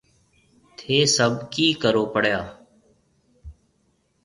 ٿَي سڀ ڪِي ڪرو پيڙيا؟